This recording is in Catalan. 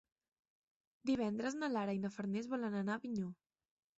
Divendres na Lara i na Farners volen anar a Avinyó.